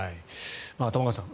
玉川さん